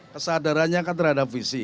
kesadarannya kan terhadap visi